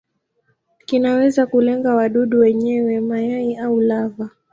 Kinaweza kulenga wadudu wenyewe, mayai au lava.